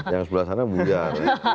yang sebelah sana bujar